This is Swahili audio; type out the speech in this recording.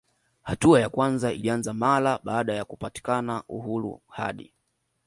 Hatua ya kwanza ilianza mara baada ya kupatikana uhuru hadi